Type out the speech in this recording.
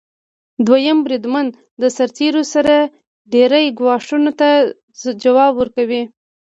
دویم بریدمن د سرتیرو سره ډیری ګواښونو ته ځواب ورکوي.